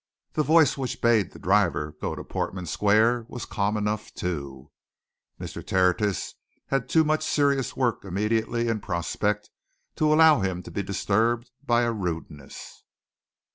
The voice which bade the driver go to Portman Square was calm enough, too Mr. Tertius had too much serious work immediately in prospect to allow himself to be disturbed by a rudeness.